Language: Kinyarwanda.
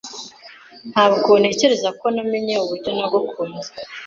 Ntabwo ntekereza ko namenye uburyo nagukunze.